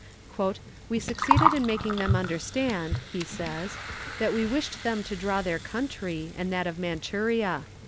"We succeeded in making them understand," he says, "that we wished them to draw their country, and that of Manchuria.